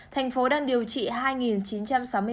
thành phố đang điều trị hai chín trăm sáu mươi một bệnh nhân